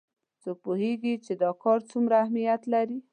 څوک پوهیږي چې دا کار څومره اهمیت لري